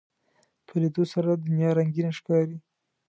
په لیدلو سره دنیا رنگینه ښکاري